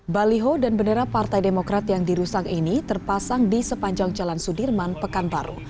baliho dan bendera partai demokrat yang dirusak ini terpasang di sepanjang jalan sudirman pekanbaru